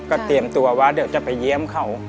ก็เตรียมตัวว่าเดี๋ยวจะไปเยี่ยมเขา